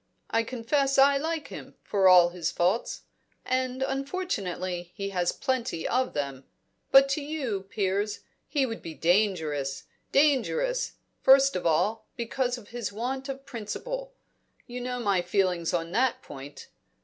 I confess I like him, for all his faults and unfortunately he has plenty of them; but to you, Piers, he would be dangerous. Dangerous, first of all, because of his want of principle you know my feelings on that point.